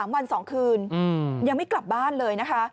วัน๒คืนยังไม่กลับบ้านเลยนะคะ